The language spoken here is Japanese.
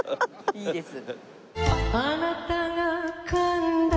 いいです。